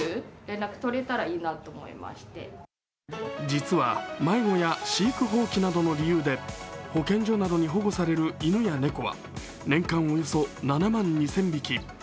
実は、迷子や飼育放棄などの理由で保健所などに保護される犬や猫は年間およそ７万２０００匹。